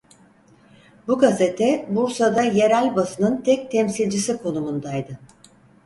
Bu gazete Bursa'da yerel basının tek temsilcisi konumundaydı.